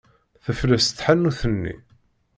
Tefles tḥanut-nni.